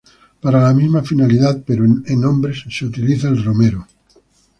Para la misma finalidad, pero en hombres, se utiliza el romero.